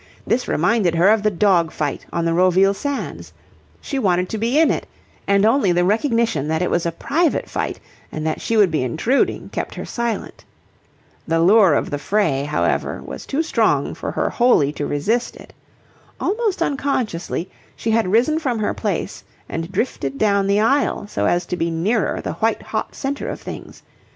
This reminded her of the dog fight on the Roville sands. She wanted to be in it, and only the recognition that it was a private fight and that she would be intruding kept her silent. The lure of the fray, however, was too strong for her wholly to resist it. Almost unconsciously, she had risen from her place and drifted down the aisle so as to be nearer the white hot centre of things.